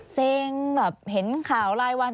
เส้งเห็นข่าวรายวัน